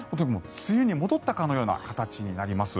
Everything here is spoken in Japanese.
梅雨に戻ったかのような形になります。